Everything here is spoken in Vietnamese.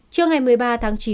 trước ngày một mươi ba tháng sáu